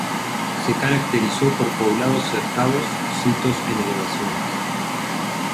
Se caracterizó por poblados cercados sitos en elevaciones.